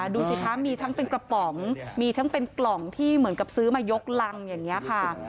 ดูสิคะมีทั้งเป็นกระป๋องมีทั้งเป็นกล่องที่เหมือนกับซื้อมายกรังอย่างนี้ค่ะ